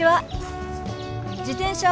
自転車